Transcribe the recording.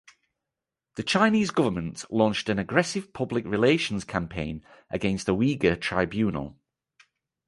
The Chinese government launched an aggressive public relations campaign against the Uyghur Tribunal.